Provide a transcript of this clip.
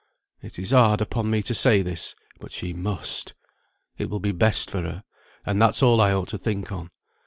It is hard upon me to say this; but she must. It will be best for her, and that's all I ought to think on.